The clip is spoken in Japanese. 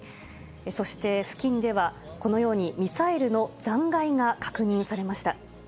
そして、付近ではこのように、ミサイルの残骸が確認されました。